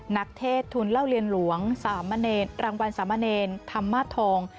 เทศทุนเล่าเรียนหลวงสามรางวัลสามเณรธรรมาสทอง